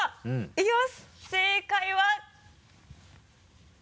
いきます正解は。